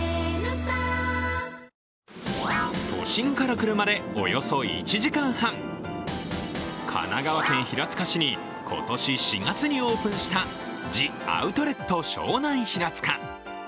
都心から車でおよそ１時間半、神奈川県平塚市に今年４月にオープンしたジ・アウトレット湘南平塚。